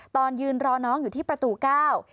ตอนยืนรอน้องอยู่ที่ประตูเก้า